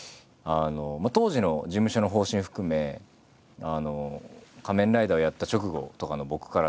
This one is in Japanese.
当時の事務所の方針含め「仮面ライダー」をやった直後とかの僕からしたら。